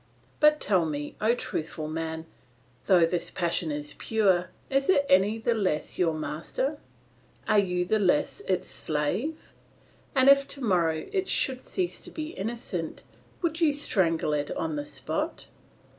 But tell me, O truthful man, though this passion is pure, is it any the less your master? Are you the less its slave? And if to morrow it should cease to be innocent, would you strangle it on the spot?